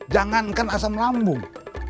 jangankan asam lambung